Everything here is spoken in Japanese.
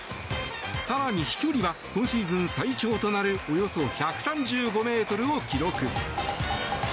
更に、飛距離は今シーズン最長となるおよそ１３５ｍを記録。